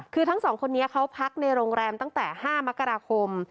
คือทั้งสองคนนี้เขาพักในโรงแรมตั้งแต่๕มกราคม